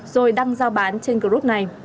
rồi đăng giao bán trên group này